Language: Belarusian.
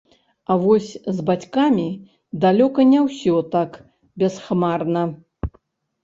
А вось з бацькам далёка не ўсё было так бясхмарна.